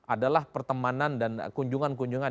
adalah pertemanan dan kunjungan kunjungan